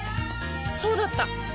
そうだった！